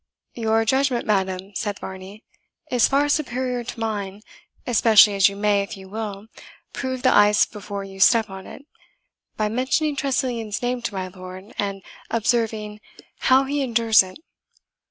"Your judgment, madam," said Varney, "is far superior to mine, especially as you may, if you will, prove the ice before you step on it, by mentioning Tressilian's name to my lord, and observing how he endures it.